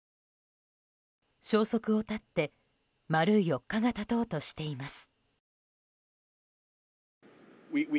消息を絶って丸４日が経とうとしています。